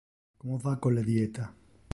Como va con le dieta?